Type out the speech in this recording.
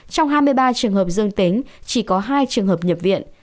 trong hai mươi ba trường hợp dương tính chỉ có hai trường hợp nhập viện